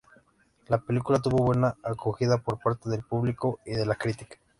La película tuvo buena acogida por parte del público y de la crítica.